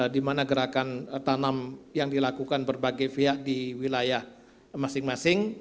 di mana gerakan tanam yang dilakukan berbagai pihak di wilayah masing masing